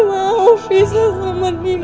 aku gak mau pisah sama dia ma